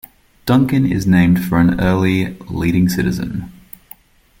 Duncan is named for an early "leading citizen".